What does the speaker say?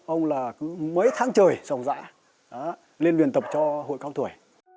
ông là cứ mấy tháng trời sòng dã lên huyền tập cho hội cao tuổi